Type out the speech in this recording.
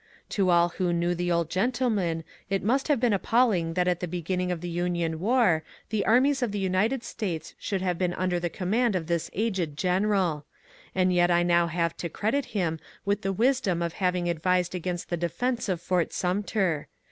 To all who knew the old gentleman it must have been appalling that at the begin ning of the Union war the armies of the United States should have been under the command of this aged general ; and yet I now have to credit him with the wisdom of having advised against the defence of Fort Sumter.